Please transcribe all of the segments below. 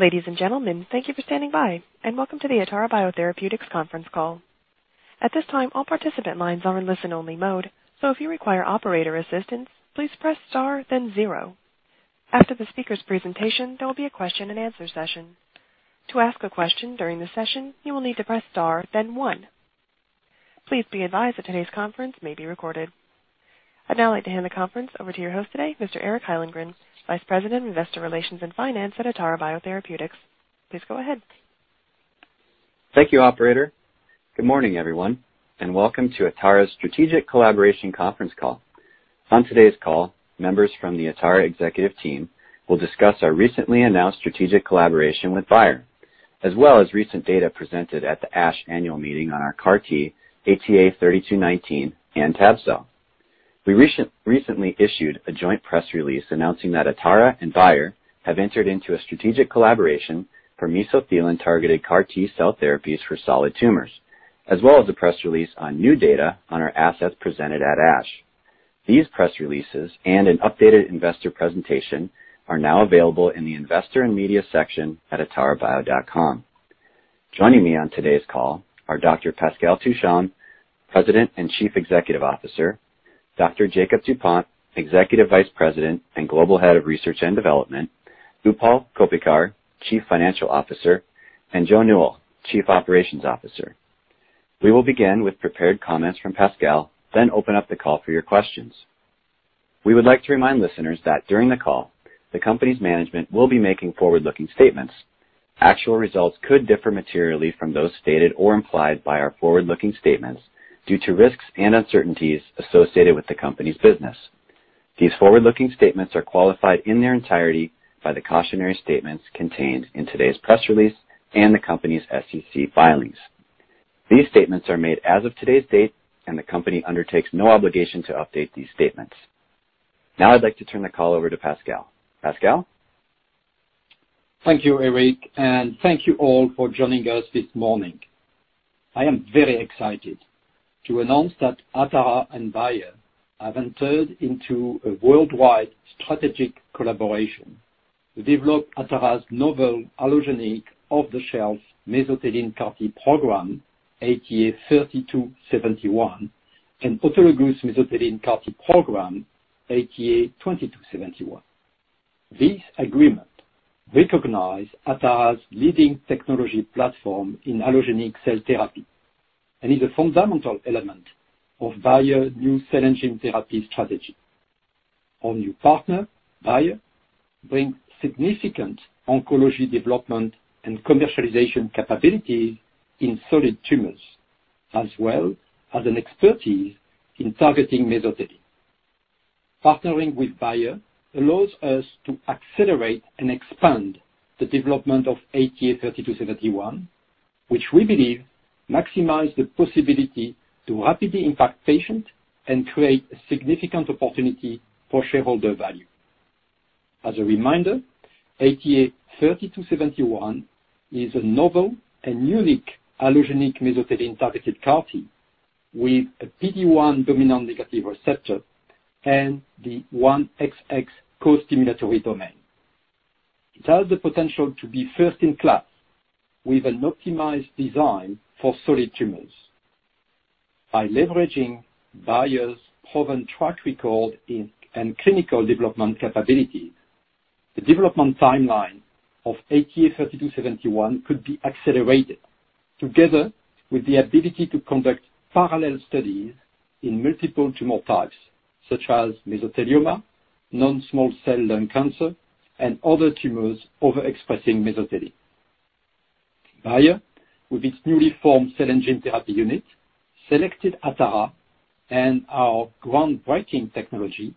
Ladies and gentlemen, thank you for standing by, and welcome to the Atara Biotherapeutics conference call. At this time, all participant lines are in listen-only mode. If you require operator assistance, please press star then zero. After the speaker's presentation, there will be a question-and-answer session. To ask a question during the session you will need to press star then one. Please be advised that today's conference may be recorded. I'd now like to hand the conference over to your host today, Mr. Eric Hyllengren, Vice President of Investor Relations and Finance at Atara Biotherapeutics. Please go ahead. Thank you, operator. Good morning, everyone, and welcome to Atara's Strategic Collaboration conference call. On today's call, members from the Atara executive team will discuss our recently announced strategic collaboration with Bayer, as well as recent data presented at the ASH annual meeting on our CAR T, ATA3219 and tabelecleucel. We recently issued a joint press release announcing that Atara and Bayer have entered into a strategic collaboration for mesothelin-targeted CAR T-cell therapies for solid tumors, as well as a press release on new data on our assets presented at ASH. These press releases and an updated investor presentation are now available in the Investor and Media section at atarabio.com. Joining me on today's call are Dr. Pascal Touchon, President and Chief Executive Officer, Dr. Jakob Dupont, Executive Vice President and Global Head of Research and Development, Utpal Koppikar, Chief Financial Officer, and Joe Newell, Chief Operations Officer. We will begin with prepared comments from Pascal, open up the call for your questions. We would like to remind listeners that during the call, the company's management will be making forward-looking statements. Actual results could differ materially from those stated or implied by our forward-looking statements due to risks and uncertainties associated with the company's business. These forward-looking statements are qualified in their entirety by the cautionary statements contained in today's press release and the company's SEC filings. These statements are made as of today's date, the company undertakes no obligation to update these statements. Now I'd like to turn the call over to Pascal. Pascal? Thank you, Eric, and thank you all for joining us this morning. I am very excited to announce that Atara and Bayer have entered into a worldwide strategic collaboration to develop Atara's novel allogeneic off-the-shelf mesothelin CAR T program, ATA3271, and autologous mesothelin CAR T program, ATA2271. This agreement recognizes Atara's leading technology platform in allogeneic cell therapy and is a fundamental element of Bayer's new Cell and Gene Therapy strategy. Our new partner, Bayer, brings significant oncology development and commercialization capabilities in solid tumors, as well as an expertise in targeting mesothelin. Partnering with Bayer allows us to accelerate and expand the development of ATA3271, which we believe maximizes the possibility to rapidly impact patients and create a significant opportunity for shareholder value. As a reminder, ATA3271 is a novel and unique allogeneic mesothelin-targeted CAR T with a PD-1 dominant negative receptor and the 1XX costimulatory domain. It has the potential to be first in class with an optimized design for solid tumors. By leveraging Bayer's proven track record and clinical development capabilities, the development timeline of ATA3271 could be accelerated, together with the ability to conduct parallel studies in multiple tumor types such as mesothelioma, non-small cell lung cancer, and other tumors overexpressing mesothelin. Bayer, with its newly formed Cell and Gene Therapy unit, selected Atara, and our groundbreaking technology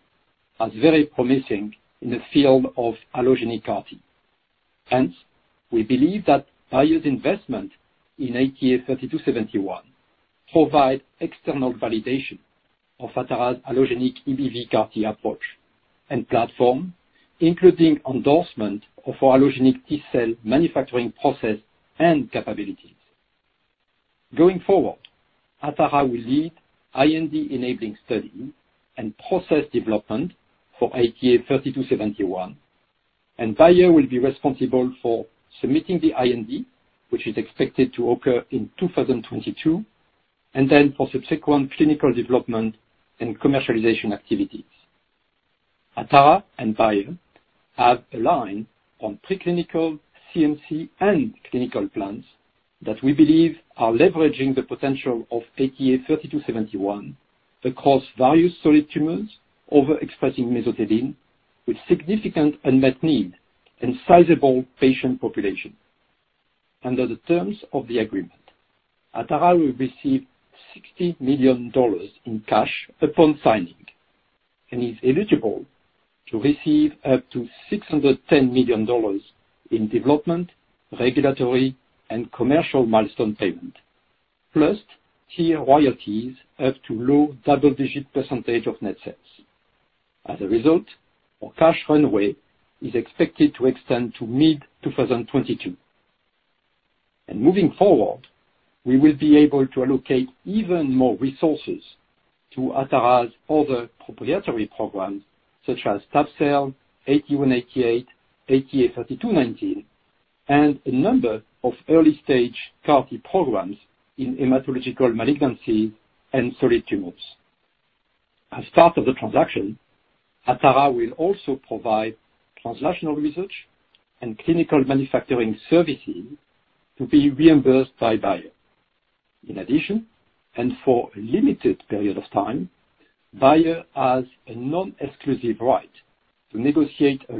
as very promising in the field of allogeneic CAR T. We believe that Bayer's investment in ATA3271 provides external validation of Atara's allogeneic EBV CAR T approach and platform, including endorsement of our allogeneic T-cell manufacturing process and capabilities. Going forward, Atara will lead IND-enabling study and process development for ATA3271, and Bayer will be responsible for submitting the IND, which is expected to occur in 2022, and then for subsequent clinical development and commercialization activities. Atara and Bayer have aligned on preclinical CMC and clinical plans that we believe are leveraging the potential of ATA3271 across various solid tumors overexpressing mesothelin with significant unmet need and sizable patient population. Under the terms of the agreement, Atara will receive $60 million in cash upon signing and is eligible to receive up to $610 million in development, regulatory, and commercial milestone payment, plus tier royalties up to low double-digit percentage of net sales. As a result, our cash runway is expected to extend to mid-2022. Moving forward, we will be able to allocate even more resources to Atara's other proprietary programs such as tab-cel, ATA188, ATA3219, and a number of early-stage CAR T programs in hematological malignancy and solid tumors. As part of the transaction, Atara will also provide translational research and clinical manufacturing services to be reimbursed by Bayer. In addition, and for a limited period of time, Bayer has a non-exclusive right to negotiate a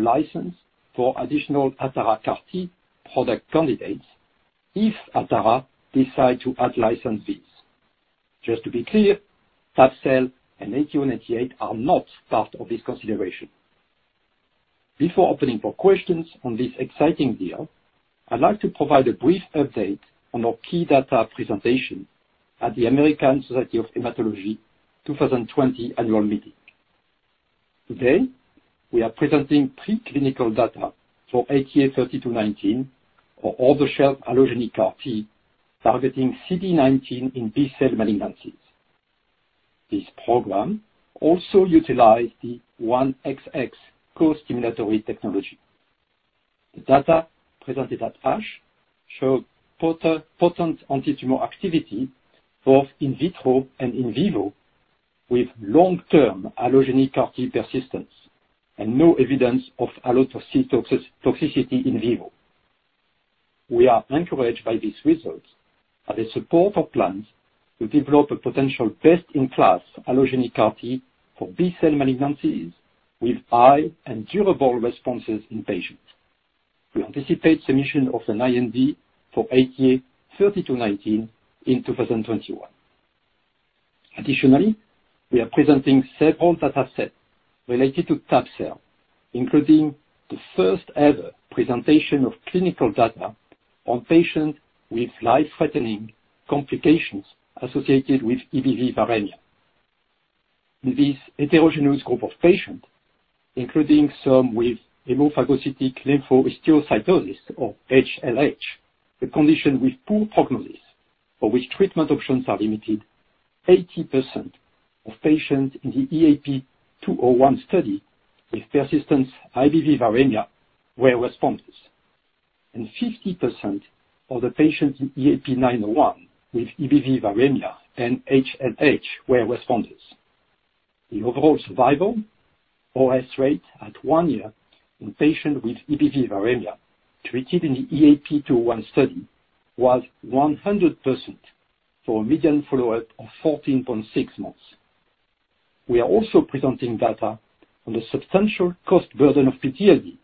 license for additional Atara CAR T product candidates if Atara decide to out-license these. Just to be clear, tab-cel and ATA188 are not part of this consideration. Before opening for questions on this exciting deal, I'd like to provide a brief update on our key data presentation at the American Society of Hematology 2020 annual meeting. Today, we are presenting pre-clinical data for ATA3219 for off-the-shelf allogeneic CAR T targeting CD19 in B-cell malignancies. This program also utilized the 1XX costimulatory technology. The data presented at ASH showed potent anti-tumor activity, both in vitro and in vivo, with long-term allogeneic CAR T persistence and no evidence of allogeneic toxicity in vivo. We are encouraged by these results as a support for plans to develop a potential best-in-class allogeneic CAR T for B-cell malignancies with high and durable responses in patients. We anticipate submission of an IND for ATA3219 in 2021. We are presenting several data sets related to tab-cel, including the first ever presentation of clinical data on patients with life-threatening complications associated with EBV viremia. In this heterogeneous group of patients, including some with hemophagocytic lymphohistiocytosis or HLH, a condition with poor prognosis for which treatment options are limited, 80% of patients in the EAP201 study with persistent EBV viremia were responders, and 50% of the patients in EAP901 with EBV viremia and HLH were responders. The overall survival OS rate at one year in patients with EBV viremia treated in the EAP201 study was 100% for a median follow-up of 14.6 months. We are also presenting data on the substantial cost burden of PTLD,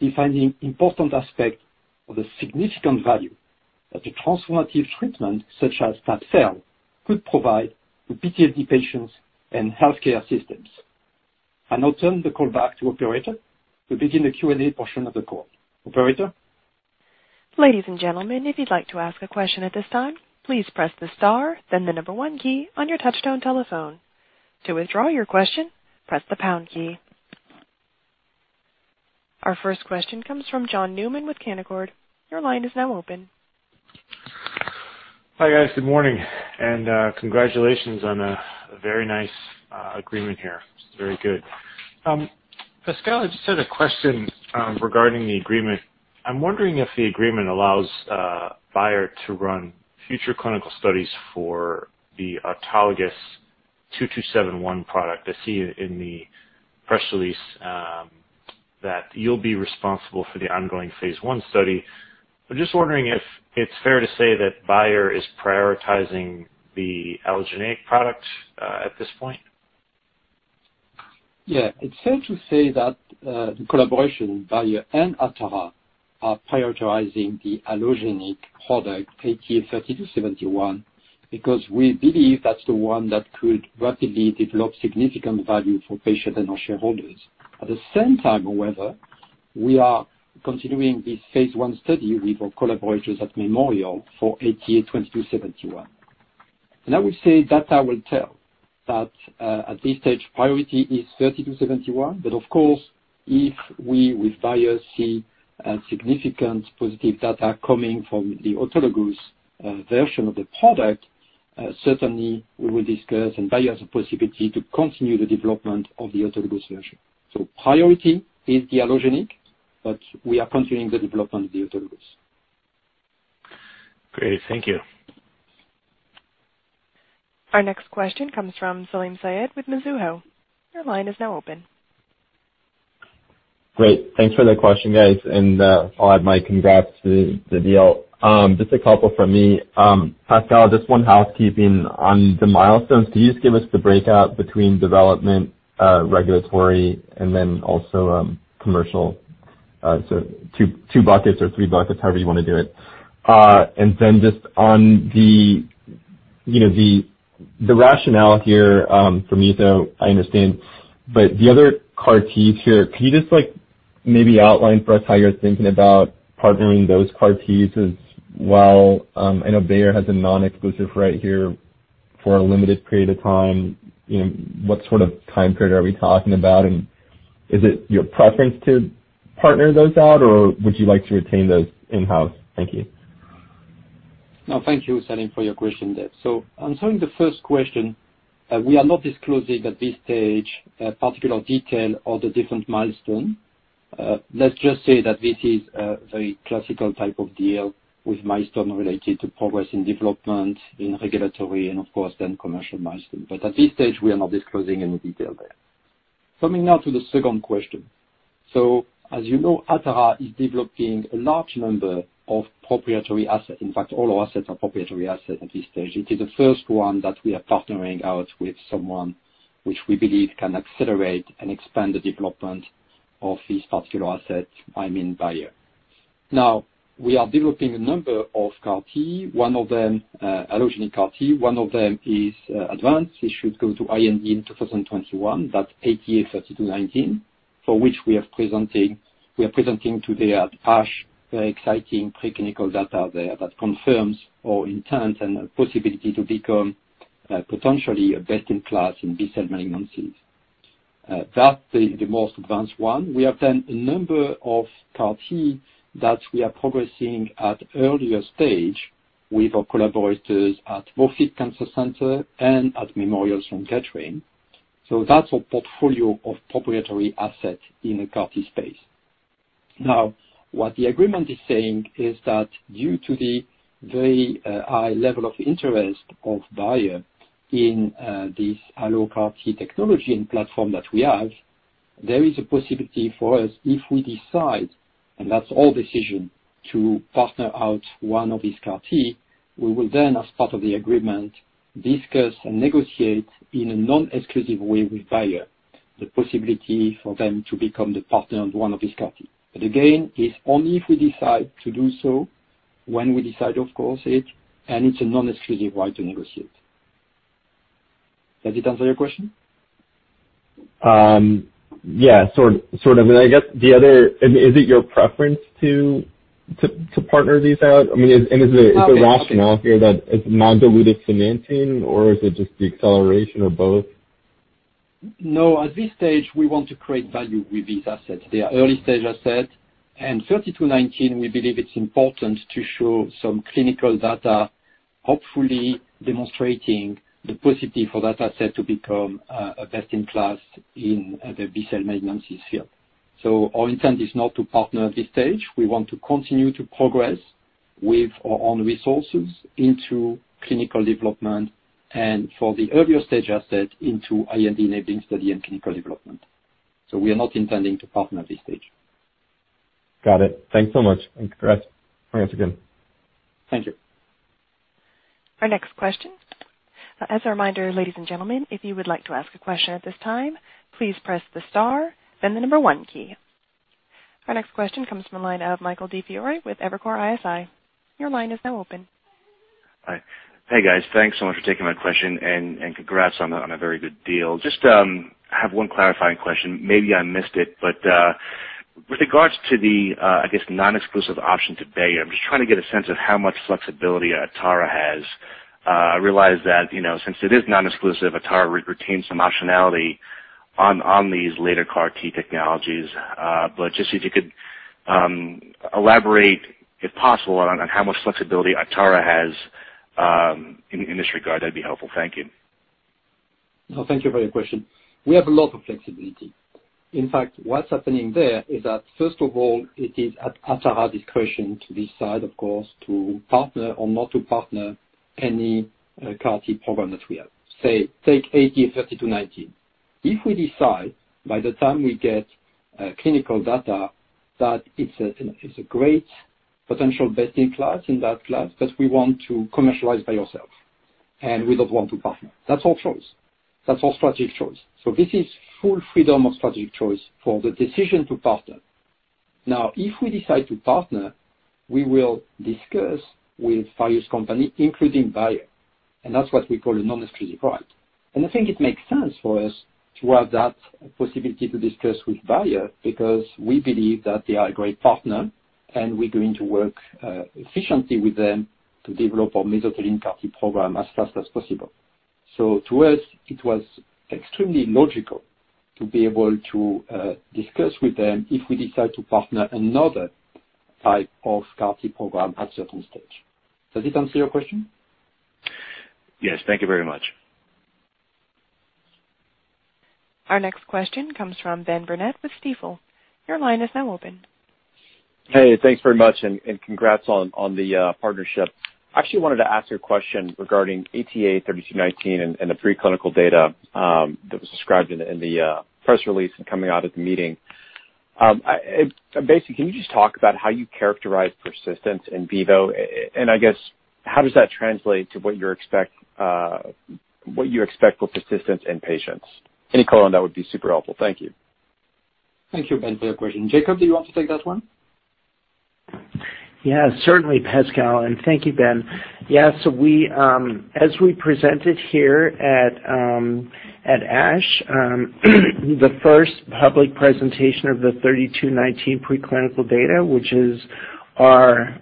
defining important aspect of the significant value that a transformative treatment such as tab-cel could provide to PTLD patients and healthcare systems. I now turn the call back to operator to begin the Q&A portion of the call. Operator? Ladies and gentlemen, if you would like to ask the question at this time, please press the star then the number one key on your touch tone telephone. To withdraw your question, press the pound key. Our first question comes from John Newman with Canaccord. Your line is now open. Hi, guys. Good morning, and congratulations on a very nice agreement here, which is very good. Pascal, I just had a question regarding the agreement. I'm wondering if the agreement allows Bayer to run future clinical studies for the autologous ATA2271 product. I see in the press release that you'll be responsible for the ongoing phase I study. I'm just wondering if it's fair to say that Bayer is prioritizing the allogeneic product at this point? Yeah. It's fair to say that the collaboration with Bayer and Atara are prioritizing the allogeneic product, ATA3271, because we believe that's the one that could rapidly develop significant value for patients and our shareholders. At the same time, however, we are continuing this phase I study with our collaborators at Memorial for ATA2271. I would say data will tell that, at this stage, priority is ATA3271, but of course, if we, with Bayer, see a significant positive data coming from the autologous version of the product, certainly we will discuss and Bayer has a possibility to continue the development of the autologous version. Priority is the allogeneic, but we are continuing the development of the autologous. Great. Thank you. Our next question comes from Salim Syed with Mizuho. Your line is now open. Great. Thanks for the question, guys. I'll add my congrats to the deal. Just a couple from me. Pascal, just one housekeeping on the milestones. Can you just give us the breakout between development, regulatory, and then also commercial? Two buckets or three buckets, however you want to do it. Just on the rationale here for me, I understand, the other CAR Ts here, can you just maybe outline for us how you're thinking about partnering those CAR Ts as well? I know Bayer has a non-exclusive right here for a limited period of time. What sort of time period are we talking about, is it your preference to partner those out, or would you like to retain those in-house? Thank you. Thank you, Salim, for your question there. Answering the first question, we are not disclosing at this stage a particular detail of the different milestones. Let's just say that this is a very classical type of deal with milestones related to progress in development, in regulatory, and of course then commercial milestones. At this stage, we are not disclosing any detail there. Coming now to the second question. As you know, Atara is developing a large number of proprietary assets. In fact, all assets are proprietary assets at this stage. It is the first one that we are partnering out with someone, which we believe can accelerate and expand the development of this particular asset, I mean, Bayer. We are developing a number of CAR T, allogeneic CAR T. One of them is advanced. It should go to IND in 2021. That's ATA3219, for which we are presenting today at ASH, very exciting preclinical data there that confirms our intent and possibility to become potentially a best in class in B-cell malignancies. That the most advanced one. We have done a number of CAR T that we are progressing at earlier stage with our collaborators at Moffitt Cancer Center and at Memorial Sloan Kettering. That's our portfolio of proprietary asset in the CAR T space. What the agreement is saying is that due to the very high level of interest of Bayer in this allo CAR T technology and platform that we have, there is a possibility for us if we decide, and that's our decision, to partner out one of these CAR T, we will then, as part of the agreement, discuss and negotiate in a non-exclusive way with Bayer the possibility for them to become the partner of one of these CAR T. Again, it's only if we decide to do so, when we decide, of course, it, and it's a non-exclusive right to negotiate. Does it answer your question? Yeah. Sort of. I guess the other, is it your preference to partner these out? I mean, is the rationale here that it's not diluted financing, or is it just the acceleration or both? No. At this stage, we want to create value with these assets. They are early-stage assets. ATA3219, we believe it's important to show some clinical data, hopefully demonstrating the positive for that asset to become a best in class in the B-cell malignancies field. Our intent is not to partner at this stage. We want to continue to progress with our own resources into clinical development and for the earlier stage asset into IND-enabling study and clinical development. We are not intending to partner at this stage. Got it. Thanks so much. Thanks again. Thank you. Our next question. As a reminder, ladies and gentlemen, if you would like to ask a question at this time, please press the star then the number one key. Our next question comes from the line of Michael DiFiore with Evercore ISI. Your line is now open. Hi. Hey, guys. Thanks so much for taking my question and congrats on a very good deal. Just have one clarifying question. Maybe I missed it, with regards to the, I guess, non-exclusive option to Bayer, I'm just trying to get a sense of how much flexibility Atara has. I realize that, since it is non-exclusive, Atara retains some optionality on these later CAR T technologies. Just if you could elaborate, if possible, on how much flexibility Atara has in this regard, that'd be helpful. Thank you. No, thank you for your question. We have a lot of flexibility. In fact, what's happening there is that, first of all, it is at Atara's discretion to decide, of course, to partner or not to partner any CAR T program that we have. Say, take ATA3219. If we decide by the time we get clinical data that it's a great potential best in class in that class that we want to commercialize by yourself and we don't want to partner, that's our choice. That's our strategic choice. This is full freedom of strategic choice for the decision to partner. Now, if we decide to partner, we will discuss with various companies, including Bayer, and that's what we call a non-exclusive right. I think it makes sense for us to have that possibility to discuss with Bayer because we believe that they are a great partner and we're going to work efficiently with them to develop our mesothelin CAR T program as fast as possible. To us, it was extremely logical to be able to discuss with them if we decide to partner another type of CAR T program at certain stage. Does it answer your question? Yes. Thank you very much. Our next question comes from Ben Burnett with Stifel. Your line is now open. Hey, thanks very much, and congrats on the partnership. I actually wanted to ask you a question regarding ATA3219 and the preclinical data that was described in the press release and coming out at the meeting. Basically, can you just talk about how you characterize persistence in vivo, and I guess how does that translate to what you expect for persistence in patients? Any color on that would be super helpful. Thank you. Thank you, Ben, for your question. Jakob, do you want to take that one? Certainly, Pascal, thank you, Ben. As we presented here at ASH, the first public presentation of the ATA3219 preclinical data, which is our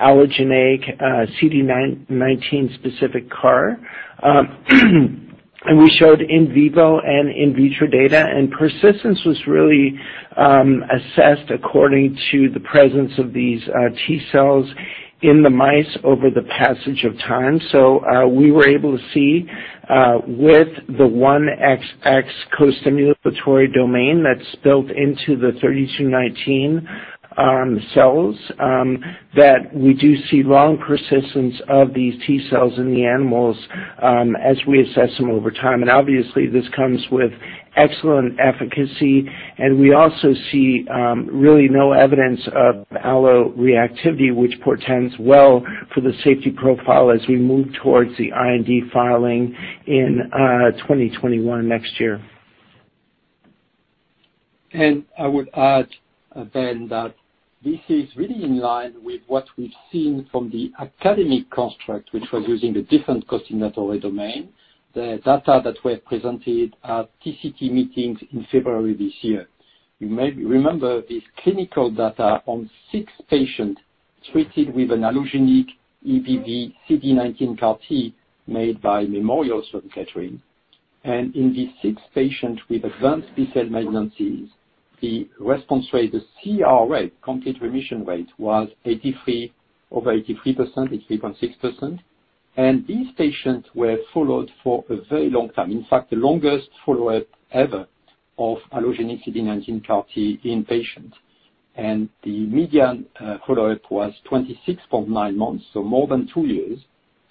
allogeneic CD19 specific CAR. We showed in vivo and in vitro data, and persistence was really assessed according to the presence of these T cells in the mice over the passage of time. We were able to see with the 1XX costimulatory domain that's built into the ATA3219 cells, that we do see long persistence of these T cells in the animals as we assess them over time. Obviously, this comes with excellent efficacy and we also see really no evidence of alloreactivity, which portends well for the safety profile as we move towards the IND filing in 2021 next year. I would add, Ben, that this is really in line with what we've seen from the academic construct, which was using a different costimulatory domain. The data that were presented at TCT Meetings in February this year. You maybe remember this clinical data on six patients treated with an allogeneic EBV CD19 CAR T made by Memorial Sloan Kettering. In these six patients with advanced B-cell malignancies, the response rate, the CR rate, complete remission rate, was over 83%, 83.6%. These patients were followed for a very long time, in fact, the longest follow-up ever of allogeneic CD19 CAR T in patients. The median follow-up was 26.9 months, so more than two years,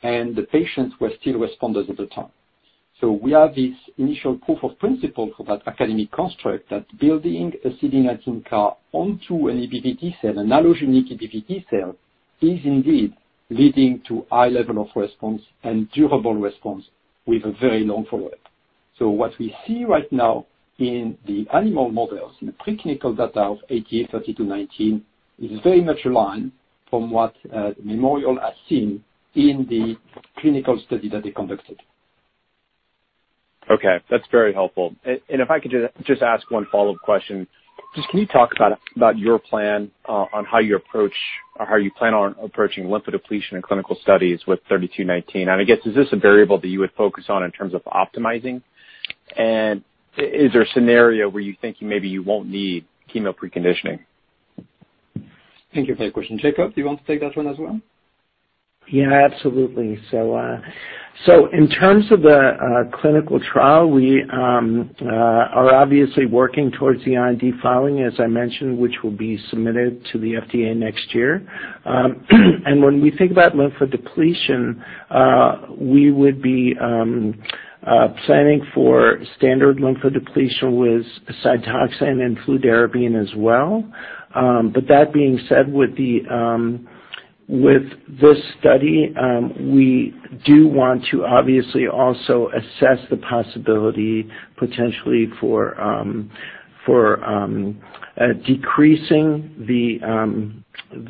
and the patients were still responders at the time. We have this initial proof of principle for that academic construct that building a CD19 CAR onto an EBV T-cell, an allogeneic EBV T-cell is indeed leading to high level of response and durable response with a very long follow-up. What we see right now in the animal models, in the preclinical data of ATA3219, is very much aligned from what Memorial has seen in the clinical study that they conducted. Okay, that's very helpful. If I could just ask one follow-up question. Can you talk about your plan on how you plan on approaching lymphodepletion in clinical studies with ATA3219? I guess, is this a variable that you would focus on in terms of optimizing? Is there a scenario where you're thinking maybe you won't need chemo preconditioning? Thank you for that question. Jakob, do you want to take that one as well? Yeah, absolutely. In terms of the clinical trial, we are obviously working towards the IND filing, as I mentioned, which will be submitted to the FDA next year. When we think about lymphodepletion, we would be planning for standard lymphodepletion with Cytoxan and fludarabine as well. That being said, with this study, we do want to obviously also assess the possibility potentially for decreasing the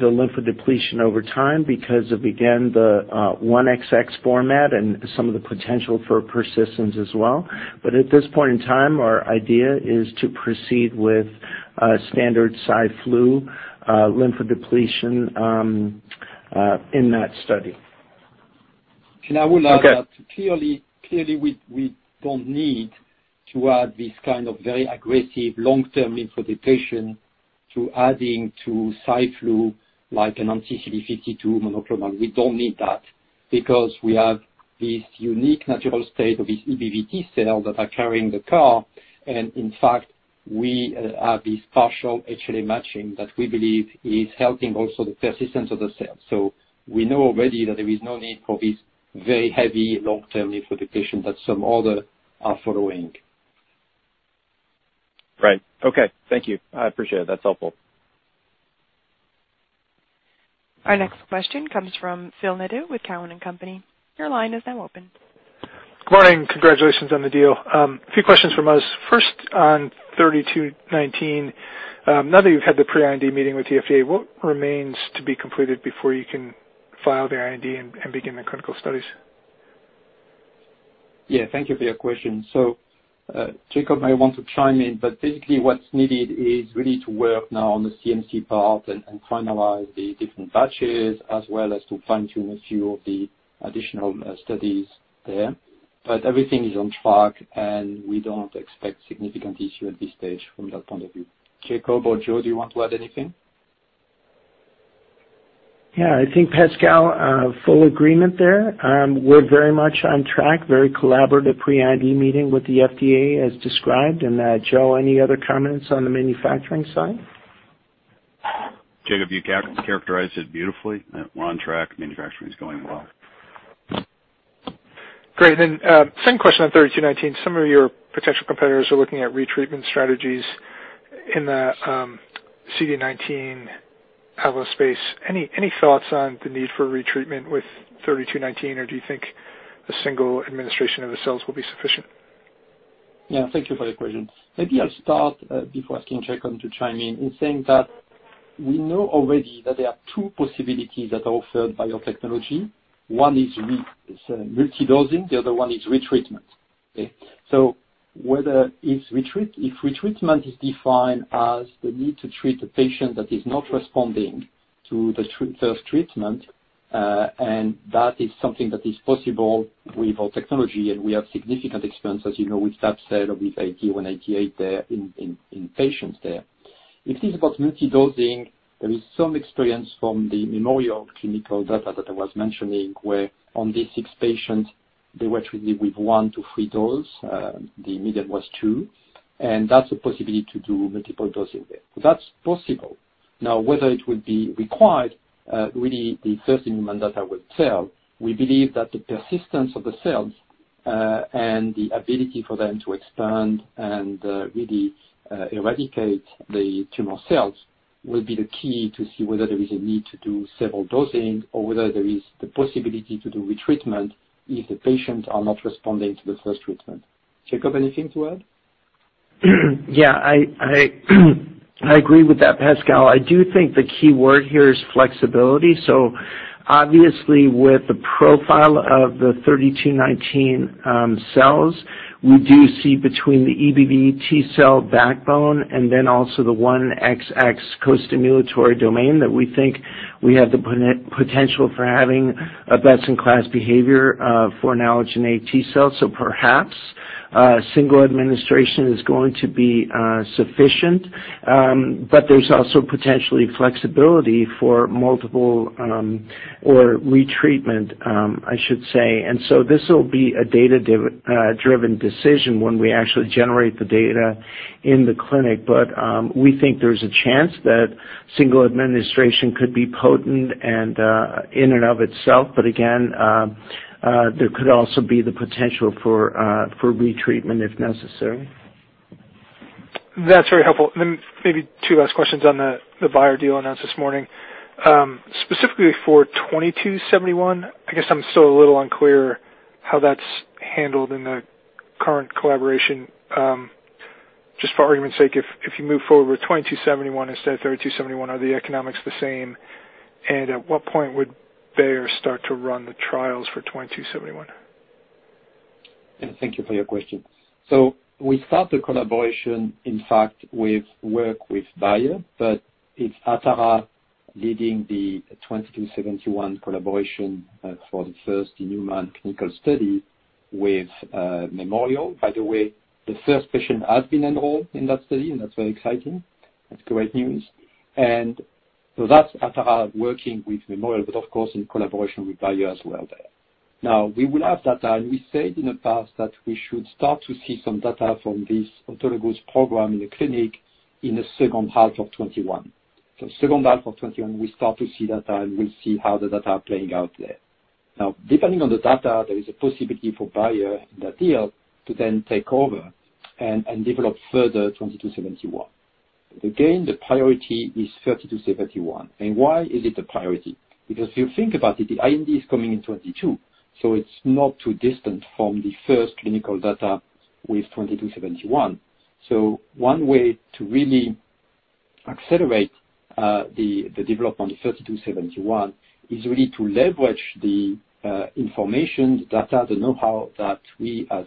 lymphodepletion over time because, again, the 1XX format and some of the potential for persistence as well. At this point in time, our idea is to proceed with standard Cy/Flu lymphodepletion in that study. I will add that clearly, we don't need to add this kind of very aggressive long-term lymphodepletion to adding to Cy/Flu like an anti-CD52 monoclonal. We don't need that because we have this unique natural state of this EBV T-cell that are carrying the CAR, and in fact, we have this partial HLA matching that we believe is helping also the persistence of the cell. We know already that there is no need for this very heavy long-term lymphodepletion that some other are following. Right. Okay. Thank you. I appreciate it. That's helpful. Our next question comes from Phil Nadeau with Cowen and Company. Your line is now open. Morning. Congratulations on the deal. A few questions from us. First, on ATA3219, now that you've had the pre-IND meeting with the FDA, what remains to be completed before you can file the IND and begin the clinical studies? Yeah, thank you for your question. Jakob may want to chime in, but basically what's needed is really to work now on the CMC part and finalize the different batches, as well as to fine-tune a few of the additional studies there. Everything is on track, and we don't expect significant issue at this stage from that point of view. Jakob or Joe, do you want to add anything? Yeah, I think Pascal, full agreement there. We're very much on track, very collaborative pre-IND meeting with the FDA as described, and Joe, any other comments on the manufacturing side? Jakob, you characterized it beautifully. We're on track. Manufacturing is going well. Great. Second question on ATA3219. Some of your potential competitors are looking at retreatment strategies in the CD19 allo space. Any thoughts on the need for retreatment with ATA3219, or do you think a single administration of the cells will be sufficient? Yeah, thank you for the question. Maybe I'll start, before asking Jakob to chime in saying that we know already that there are two possibilities that are offered by our technology. One is multi-dosing, the other one is retreatment. Okay? Whether if retreatment is defined as the need to treat a patient that is not responding to the first treatment, and that is something that is possible with our technology, and we have significant experience, as you know, with that set of ATA188 there in patients there. If it's about multi-dosing, there is some experience from the Memorial clinical data that I was mentioning where on these six patients, they were treated with one to three dose. The median was two, and that's a possibility to do multiple dosing there. That's possible. Now, whether it will be required, really the first in human data will tell. We believe that the persistence of the cells, and the ability for them to expand and really eradicate the tumor cells will be the key to see whether there is a need to do several dosing or whether there is the possibility to do retreatment if the patients are not responding to the first treatment. Jakob, anything to add? Yeah, I agree with that, Pascal. I do think the key word here is flexibility. Obviously, with the profile of the ATA3219 cells, we do see between the EBV T-cell backbone and then also the 1XX costimulatory domain that we think we have the potential for having a best-in-class behavior for an allogeneic T-cell. Perhaps single administration is going to be sufficient. There's also potentially flexibility for multiple or retreatment, I should say. This will be a data-driven decision when we actually generate the data in the clinic. We think there's a chance that single administration could be potent and in and of itself, but again, there could also be the potential for retreatment if necessary. That's very helpful. Maybe two last questions on the Bayer deal announced this morning. Specifically for ATA2271, I guess I'm still a little unclear how that's handled in the current collaboration. Just for argument's sake, if you move forward with ATA2271 instead of ATA3271, are the economics the same? At what point would Bayer start to run the trials for ATA2271? Thank you for your question. We start the collaboration, in fact, with work with Bayer, but it's Atara leading the ATA2271 collaboration for the first human clinical study with Memorial. By the way, the first patient has been enrolled in that study, and that's very exciting. That's great news. That's Atara working with Memorial, but of course, in collaboration with Bayer as well there. We will have data, and we said in the past that we should start to see some data from this autologous program in the clinic in the second half of 2021. Second half of 2021, we start to see data, and we'll see how the data are playing out there. Depending on the data, there is a possibility for Bayer in that deal to then take over and develop further ATA2271. Again, the priority is ATA3271. Why is it a priority? Because if you think about it, the IND is coming in 2022, so it's not too distant from the first clinical data with ATA2271. One way to really accelerate the development of ATA3271 is really to leverage the information, the data, the know-how that we as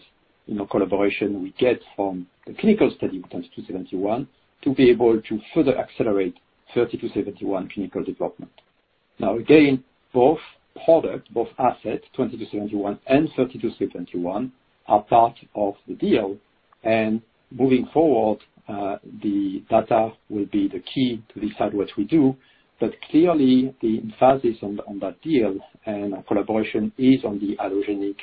collaboration, we get from the clinical study with ATA2271 to be able to further accelerate ATA3271 clinical development. Again, both products, both assets, ATA2271 and ATA3271 are part of the deal and moving forward, the data will be the key to decide what we do. Clearly, the emphasis on that deal and our collaboration is on the allogeneic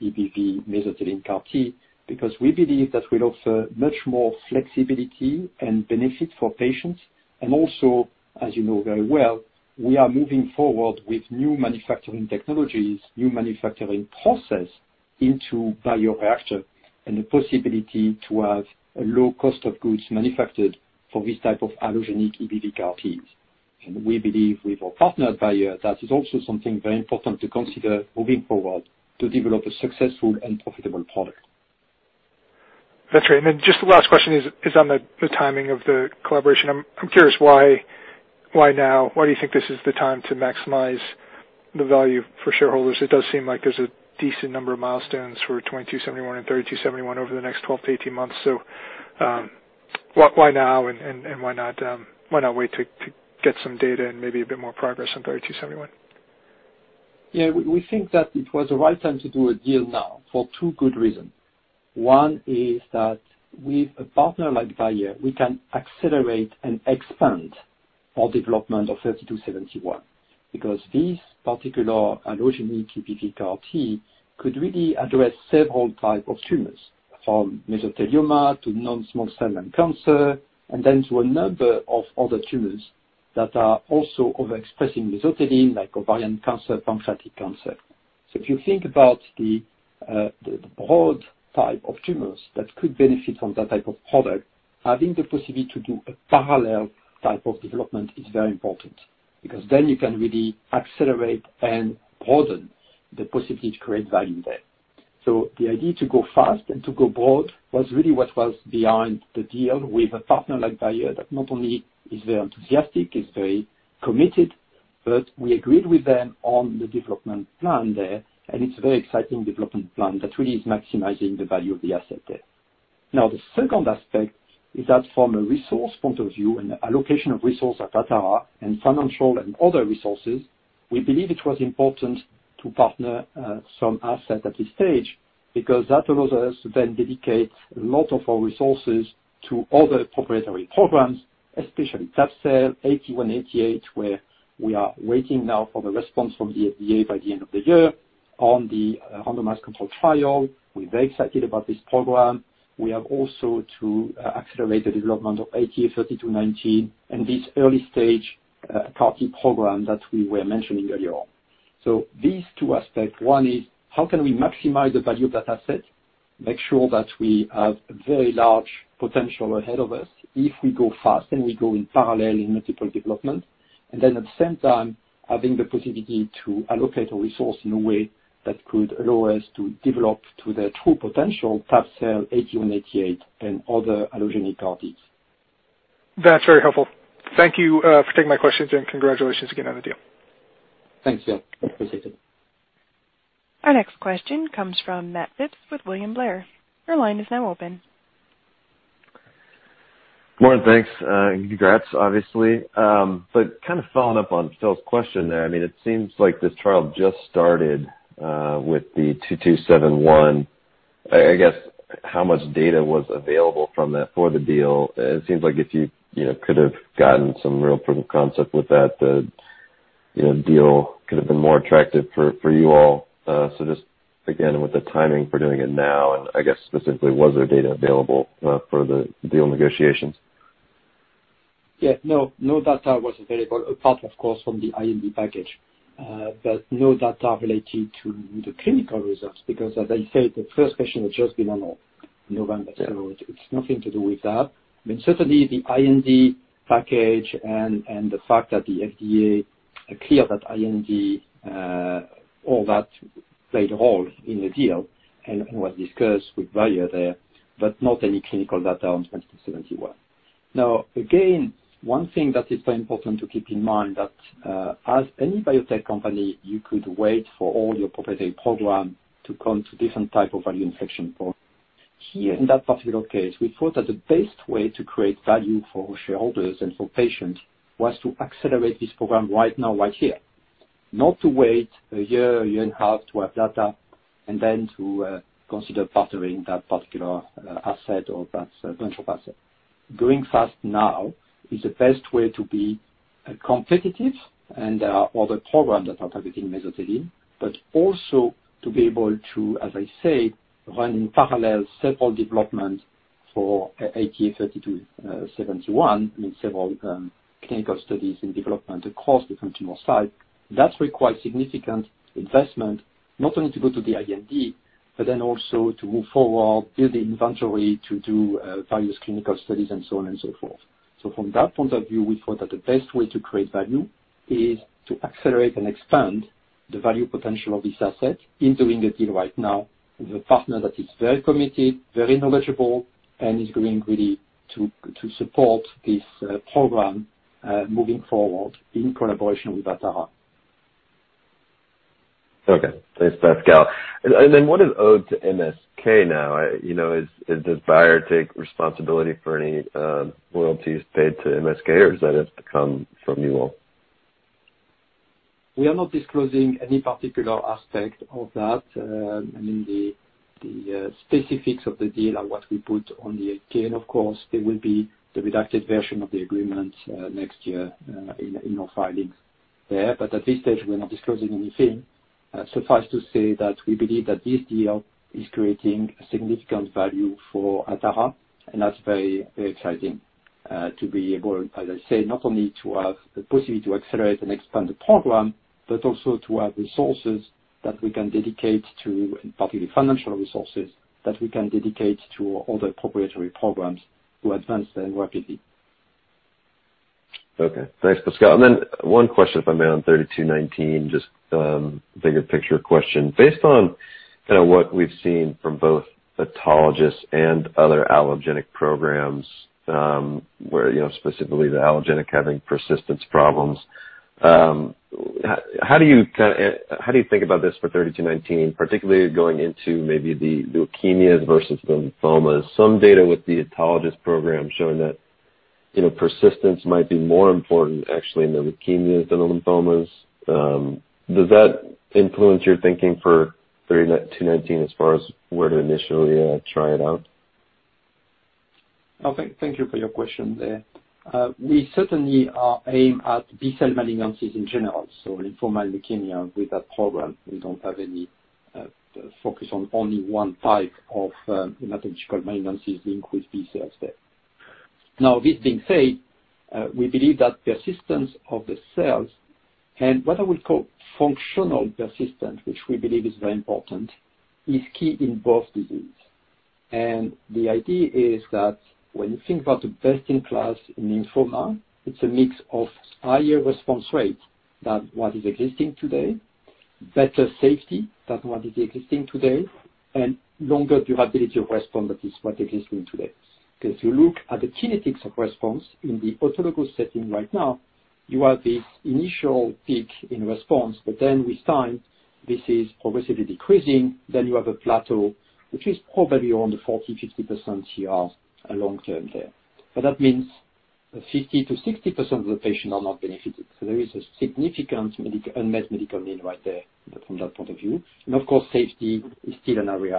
EBV mesothelin CAR T because we believe that will offer much more flexibility and benefit for patients. Also, as you know very well, we are moving forward with new manufacturing technologies, new manufacturing process into bioreactor and the possibility to have a low cost of goods manufactured for this type of allogeneic EBV CAR Ts. We believe with our partner Bayer that is also something very important to consider moving forward to develop a successful and profitable product. That's right. Then just the last question is on the timing of the collaboration. I'm curious why now? Why do you think this is the time to maximize the value for shareholders? It does seem like there's a decent number of milestones for ATA2271 and ATA3271 over the next 12-18 months. Why now and why not wait to get some data and maybe a bit more progress on ATA3271? Yeah. We think that it was the right time to do a deal now for two good reasons. One is that with a partner like Bayer, we can accelerate and expand our development of ATA3271 because this particular allogeneic EBV CAR T could really address several type of tumors, from mesothelioma to non-small cell lung cancer, and then to a number of other tumors that are also overexpressing mesothelin like ovarian cancer, pancreatic cancer. If you think about the broad type of tumors that could benefit from that type of product, having the possibility to do a parallel type of development is very important, because then you can really accelerate and broaden the possibility to create value there. The idea to go fast and to go broad was really what was behind the deal with a partner like Bayer that not only is very enthusiastic, is very committed. We agreed with them on the development plan there, and it's a very exciting development plan that really is maximizing the value of the asset there. The second aspect is that from a resource point of view and allocation of resource at Atara and financial and other resources, we believe it was important to partner some assets at this stage because that allows us to then dedicate a lot of our resources to other proprietary programs, especially tab-cel, ATA188, where we are waiting now for the response from the FDA by the end of the year on the immunized control trial. We're very excited about this program. We have also to accelerate the development of ATA3219 and this early-stage CAR T program that we were mentioning earlier on. These two aspects, one is how can we maximize the value of that asset, make sure that we have very large potential ahead of us if we go fast and we go in parallel in multiple development, and then at the same time, having the possibility to allocate a resource in a way that could allow us to develop to their true potential tab-cel, ATA188 and other allogeneic CAR-Ts. That's very helpful. Thank you for taking my questions, and congratulations again on the deal. Thanks, Phil. Appreciate it. Our next question comes from Matt Phipps with William Blair. Your line is now open. Morning, thanks. Congrats, obviously. Kind of following up on Phil's question there, it seems like this trial just started with the ATA2271. I guess, how much data was available from that for the deal? It seems like if you could have gotten some real proof of concept with that, the deal could have been more attractive for you all. Just again, with the timing for doing it now, and I guess specifically, was there data available for the deal negotiations? Yeah. No data was available, apart, of course, from the IND package. No data relating to the clinical results because, as I said, the first patient has just been on November 7th. It's nothing to do with that. Certainly, the IND package and the fact that the FDA cleared that IND, all that played a role in the deal and was discussed with Bayer there, but not any clinical data on ATA2271. Again, one thing that is very important to keep in mind that, as any biotech company, you could wait for all your proprietary program to come to different type of value inflection point. Here, in that particular case, we thought that the best way to create value for shareholders and for patients was to accelerate this program right now, right here. Not to wait a year, a year and a half to have data and then to consider partnering that particular asset or that potential asset. Going fast now is the best way to be competitive and other programs that are targeting mesothelin, but also to be able to, as I say, run in parallel several developments for ATA3271, several clinical studies in development across different tumor site. That requires significant investment, not only to go to the IND, but then also to move forward, build the inventory to do various clinical studies and so on and so forth. From that point of view, we thought that the best way to create value is to accelerate and expand the value potential of this asset in doing a deal right now with a partner that is very committed, very knowledgeable, and is going really to support this program moving forward in collaboration with Atara. Okay. Thanks, Pascal. What is owed to MSK now? Does Bayer take responsibility for any royalties paid to MSK, or does that have to come from you all? We are not disclosing any particular aspect of that. The specifics of the deal are what we put on the 8-K. Of course, there will be the redacted version of the agreement next year in our filings there. At this stage, we're not disclosing anything. Suffice to say that we believe that this deal is creating a significant value for Atara. That's very exciting to be able, as I said, not only to have the possibility to accelerate and expand the program, but also to have resources that we can dedicate to, particularly financial resources, that we can dedicate to other proprietary programs to advance them rapidly. Okay. Thanks, Pascal. One question, if I may, on ATA3219, just bigger picture question. Based on what we've seen from both autologous and other allogeneic programs, where specifically the allogeneic having persistence problems, how do you think about this for ATA3219, particularly going into maybe the leukemias versus lymphomas? Some data with the autologous program showing that persistence might be more important actually in the leukemias than lymphomas. Does that influence your thinking for ATA3219 as far as where to initially try it out? Thank you for your question there. We certainly are aimed at B-cell malignancies in general. Lymphoma and leukemia with that program. We don't have any focus on only one type of hematological malignancies linked with B-cells there. This being said, we believe that persistence of the cells, and what I would call functional persistence, which we believe is very important, is key in both disease. The idea is that when you think about the best-in-class in lymphoma, it's a mix of higher response rate than what is existing today. Better safety than what is existing today, and longer durability of response than what is existing today. If you look at the kinetics of response in the autologous setting right now, you have this initial peak in response, but then with time, this is progressively decreasing. You have a plateau, which is probably around the 40%-50% CR long-term there. That means that 50%-60% of the patients are not benefited. There is a significant unmet medical need right there from that point of view. Of course, safety is still an area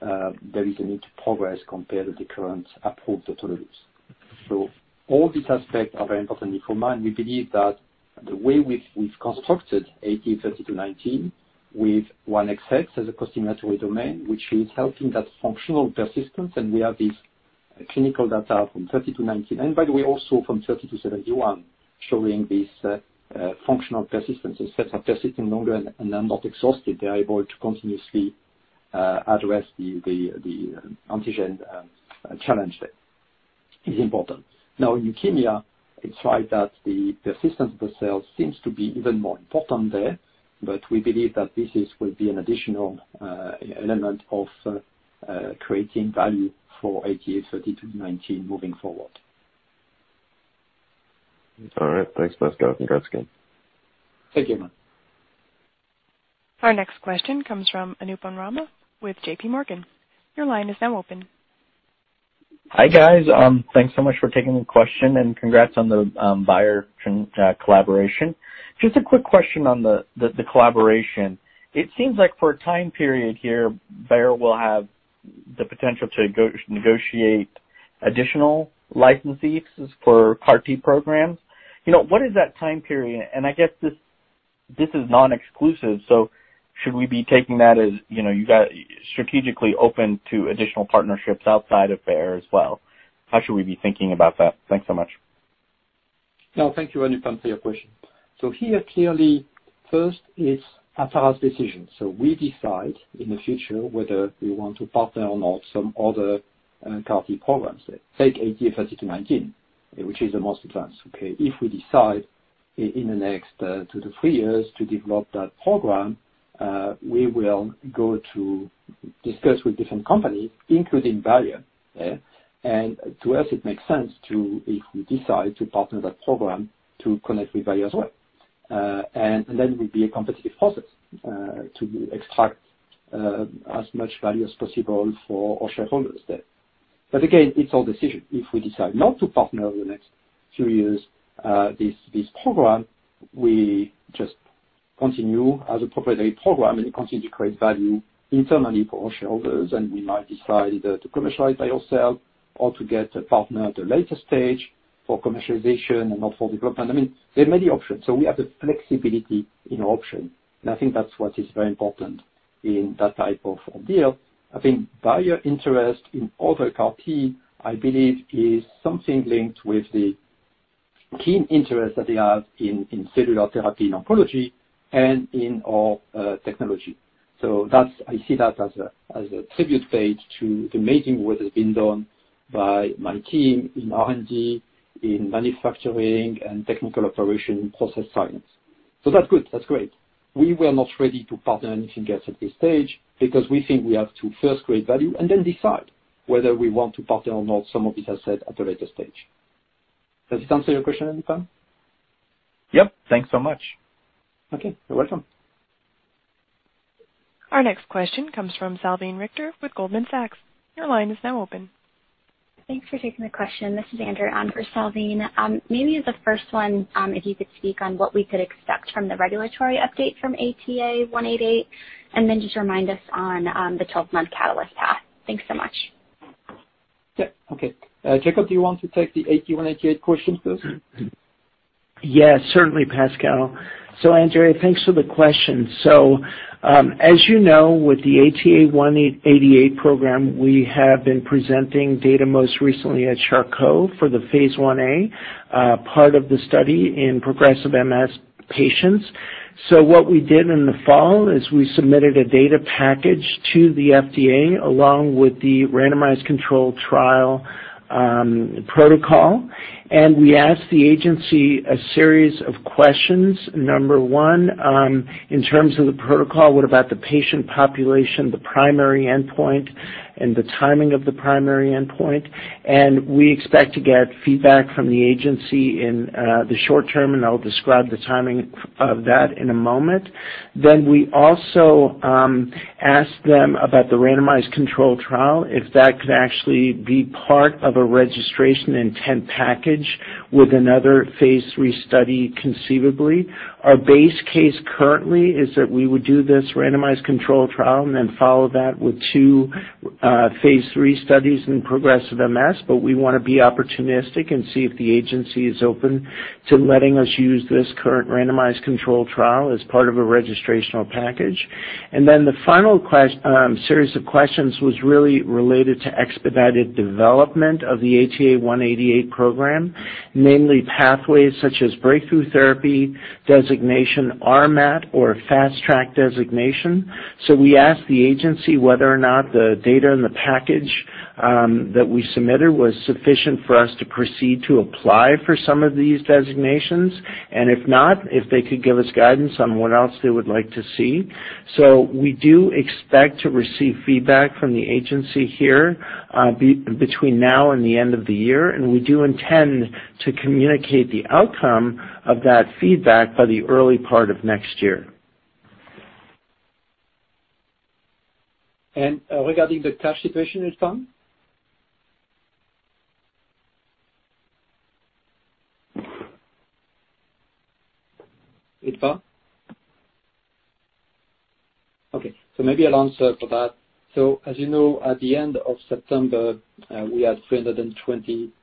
where there is a need to progress compared to the current approved autologous. All these aspects are very important to keep in mind. We believe that the way we've constructed ATA3219 with 1XX as a costimulatory domain, which is helping that functional persistence, and we have this clinical data from ATA3219, and by the way, also from ATA3271, showing this functional persistence, the cells are persisting longer and are not exhausted. They are able to continuously address the antigen challenge there. It's important. In leukemia, it's like that the persistence of the cells seems to be even more important there, but we believe that this will be an additional element of creating value for ATA3219 moving forward. All right. Thanks, Pascal. Congrats again. Thank you. Our next question comes from Anupam Rama with JPMorgan. Your line is now open. Hi, guys. Thanks so much for taking the question and congrats on the Bayer collaboration. Just a quick question on the collaboration. It seems like for a time period here, Bayer will have the potential to negotiate additional licenses for CAR T programs. What is that time period? I guess this is non-exclusive, should we be taking that as you guys strategically open to additional partnerships outside of Bayer as well? How should we be thinking about that? Thanks so much. No, thank you, Anupam, for your question. Here, clearly, first it's Atara's decision. We decide in the future whether we want to partner on some other CAR T programs. Take ATA3219, which is the most advanced. Okay? If we decide in the next two to three years to develop that program, we will go to discuss with different companies, including Bayer. To us, it makes sense, if we decide to partner that program, to connect with Bayer as well. Then it will be a competitive process to extract as much value as possible for our shareholders there. Again, it's our decision. If we decide not to partner in the next few years this program, we just continue as a proprietary program, and it continues to create value internally for our shareholders, and we might decide to commercialize by ourselves or to get a partner at a later stage for commercialization and not for development. There are many options. We have the flexibility in option, and I think that's what is very important in that type of deal. I think Bayer interest in other CAR T, I believe, is something linked with the keen interest that they have in cellular therapy in oncology and in our technology. I see that as a tribute paid to the amazing work that's been done by my team in R&D, in manufacturing, and technical operation process science. That's good. That's great. We were not ready to partner anything else at this stage because we think we have to first create value and then decide whether we want to partner or not some of this asset at a later stage. Does this answer your question, Anupam? Yep. Thanks so much. Okay. You're welcome. Our next question comes from Salveen Richter with Goldman Sachs. Your line is now open. Thanks for taking the question. This is Andrea on for Salveen. Maybe as the first one, if you could speak on what we could expect from the regulatory update from ATA188, and then just remind us on the 12-month catalyst path. Thanks so much. Yeah. Okay. Jakob, do you want to take the ATA188 question first? Yes, certainly, Pascal. Andrea, thanks for the question. As you know, with the ATA188 program, we have been presenting data most recently at ECTRIMS for the phase I-A part of the study in progressive MS patients. What we did in the fall is we submitted a data package to the FDA, along with the randomized control trial protocol, and we asked the agency a series of questions. Number one, in terms of the protocol, what about the patient population, the primary endpoint, and the timing of the primary endpoint? We expect to get feedback from the agency in the short term, and I'll describe the timing of that in a moment. We also asked them about the randomized control trial, if that could actually be part of a registration intent package with another phase III study conceivably. Our base case currently is that we would do this randomized control trial and then follow that with two phase III studies in progressive MS, but we want to be opportunistic and see if the agency is open to letting us use this current randomized control trial as part of a registrational package. The final series of questions was really related to expedited development of the ATA188 program, namely pathways such as breakthrough therapy designation, RMAT or fast track designation. We asked the agency whether or not the data in the package that we submitted was sufficient for us to proceed to apply for some of these designations, and if not, if they could give us guidance on what else they would like to see. We do expect to receive feedback from the agency here between now and the end of the year, and we do intend to communicate the outcome of that feedback by the early part of next year. Regarding the cash situation, Utpal? Utpal? Okay, maybe I'll answer for that. As you know, at the end of September, we had $327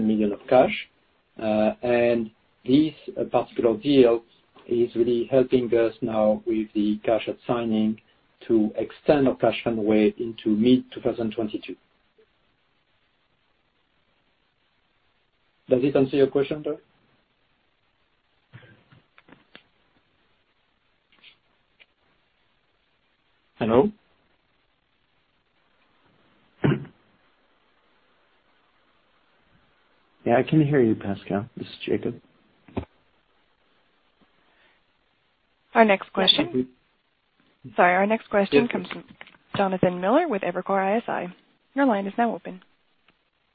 million of cash. This particular deal is really helping us now with the cash at signing to extend our cash burn rate into mid-2022. Does it answer your question, though? Hello? Yeah, I can hear you, Pascal. This is Jakob. Sorry, our next question comes from Jonathan Miller with Evercore ISI. Your line is now open.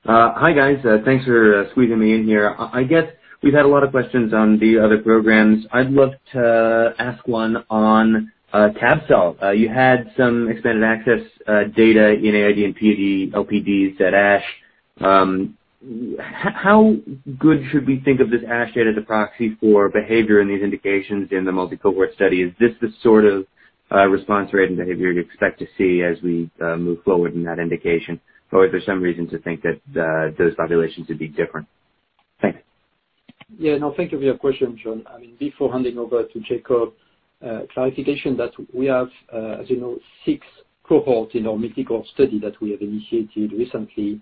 Hi, guys. Thanks for squeezing me in here. I guess we've had a lot of questions on the other programs. I'd love to ask one on tab-cel. You had some expanded access data in AID and LPDs at ASH. How good should we think of this ASH data as a proxy for behavior in these indications in the multi-cohort study? Is this the sort of response rate and behavior you'd expect to see as we move forward in that indication? Is there some reason to think that those populations would be different? Thanks. Yeah, no, thank you for your question, Jon. Before handing over to Jakob, clarification that we have, as you know, six cohorts in our medical study that we have initiated recently.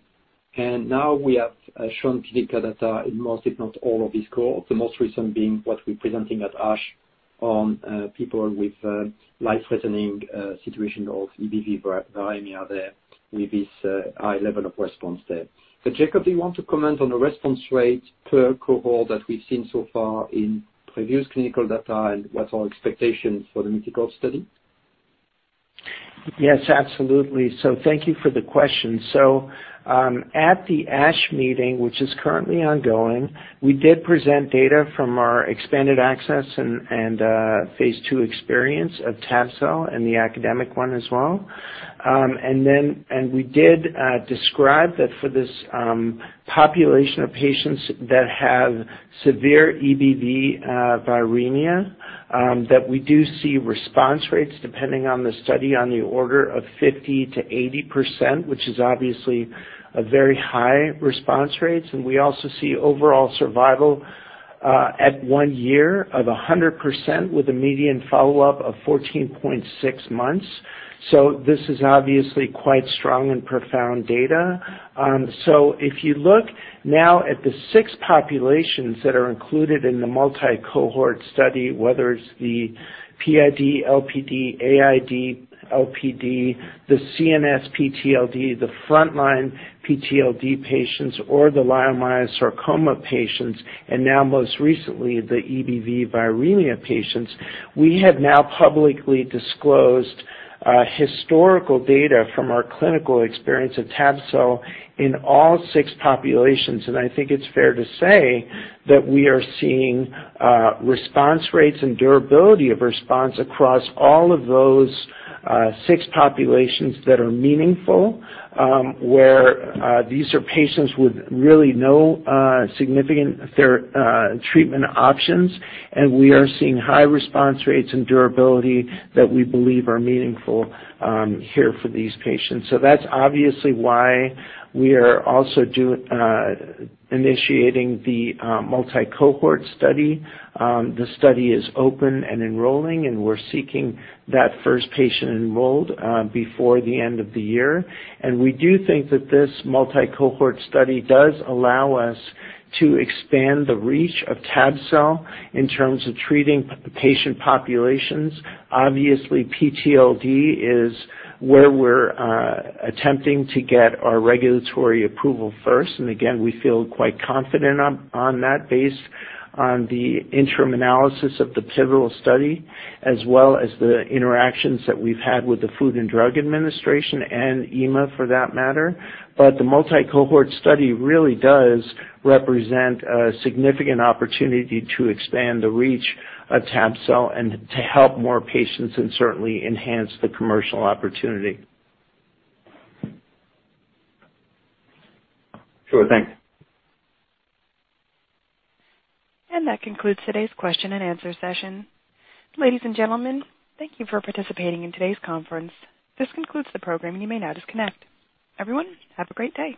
Now we have shown clinical data in most, if not all of these cohorts, the most recent being what we're presenting at ASH on people with life-threatening situation of EBV viremia there with this high level of response there. Jakob, do you want to comment on the response rate per cohort that we've seen so far in previous clinical data and what's our expectation for the medical study? Yes, absolutely. Thank you for the question. At the ASH meeting, which is currently ongoing, we did present data from our expanded access and phase II experience of tab-cel and the academic one as well. We did describe that for this population of patients that have severe EBV viremia, that we do see response rates depending on the study on the order of 50%-80%, which is obviously a very high response rates. We also see overall survival at one year of 100% with a median follow-up of 14.6 months. This is obviously quite strong and profound data. If you look now at the six populations that are included in the multi-cohort study, whether it's the PID, LPD, AID, LPD, the CNS PTLD, the frontline PTLD patients, or the leiomyosarcoma patients, and now most recently, the EBV viremia patients, we have now publicly disclosed historical data from our clinical experience of tab-cel in all six populations. I think it's fair to say that we are seeing response rates and durability of response across all of those six populations that are meaningful, where these are patients with really no significant treatment options, and we are seeing high response rates and durability that we believe are meaningful here for these patients. That's obviously why we are also initiating the multi-cohort study. The study is open and enrolling, and we're seeking that first patient enrolled before the end of the year. We do think that this multi-cohort study does allow us to expand the reach of tab-cel in terms of treating patient populations. Obviously, PTLD is where we're attempting to get our regulatory approval first. Again, we feel quite confident on that based on the interim analysis of the pivotal study, as well as the interactions that we've had with the Food and Drug Administration and EMA for that matter. The multi-cohort study really does represent a significant opportunity to expand the reach of tab-cel and to help more patients and certainly enhance the commercial opportunity. Sure thing. That concludes today's question-and-answer session. Ladies and gentlemen, thank you for participating in today's conference. This concludes the program, and you may now disconnect. Everyone, have a great day.